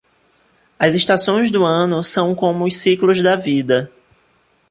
As estações do ano são como os ciclos da vida